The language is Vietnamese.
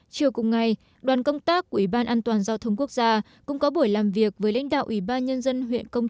chiều cùng ngày đoàn công tác của ủy ban an toàn giao thông quốc gia cũng có buổi làm việc với lãnh đạo ủy ban an toàn giao thông quốc gia